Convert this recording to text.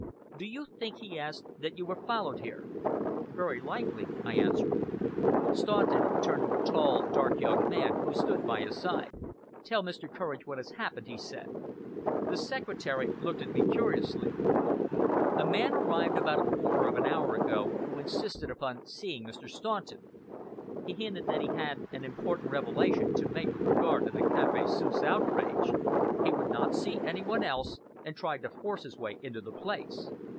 "Do you think," he asked, "that you were followed here?" "Very likely," I answered Staunton turned to a tall, dark young man who stood by his side. "Tell Mr. Courage what has happened," he said. The secretary looked at me curiously. "A man arrived about a quarter of an hour ago who insisted upon seeing Mr. Staunton. He hinted that he had an important revelation to make with regard to the Café Suisse outrage. He would not see any one else, and tried to force his way into the place.